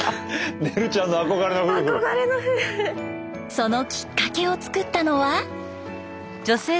そのきっかけを作ったのは。